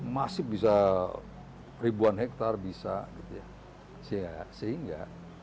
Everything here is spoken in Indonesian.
masif bisa ribuan hektar bisa sehingga